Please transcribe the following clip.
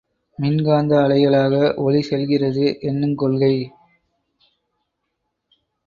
மின்காந்த அலைகளாக ஒளி செல்கிறது என்னுங் கொள்கை.